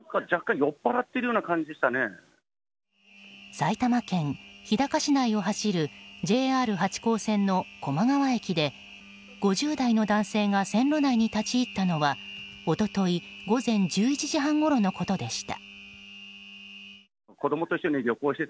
埼玉県日高市内を走るＪＲ八高線の高麗川駅で５０代の男性が線路内に立ち入ったのは一昨日午前１１時半ごろのことでした。